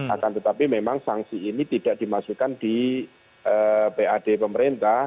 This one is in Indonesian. akan tetapi memang sanksi ini tidak dimasukkan di pad pemerintah